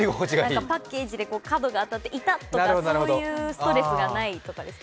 パッケージで角が当たって痛っとかいうストレスがないとかですか？